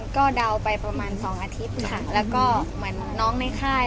ก็เดาไปประมาณ๒อาทิตย์แล้วก็เหมือนน้องในค่าย